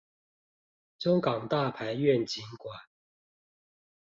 中港大排願景館